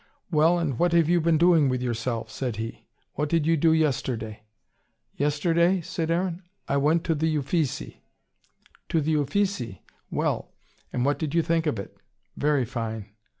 "Well, and what have you been doing with yourself?" said he. "What did you do yesterday?" "Yesterday?" said Aaron. "I went to the Uffizi." "To the Uffizi? Well! And what did you think of it?" "Very fine."